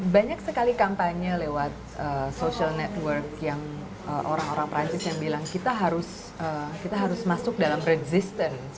banyak sekali kampanye lewat social network yang orang orang perancis yang bilang kita harus masuk dalam resistance